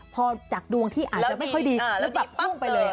พอจากดวงที่อาจจะไม่ค่อยดีแล้วแบบพุ่งไปเลย